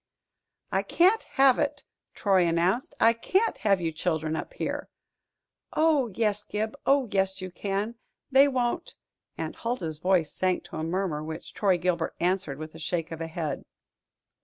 "I can't have it," Troy announced. "I can't have you children up here." "Oh, yes, Gib oh, yes, you can. They won't " Aunt Huldah's voice sank to a murmur, which Troy Gilbert answered with a shake of the head.